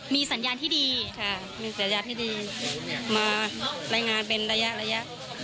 มีสัญญาณที่ดีมารายงานเป็นระยะระยะ